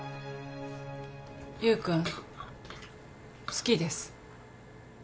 優君好きです。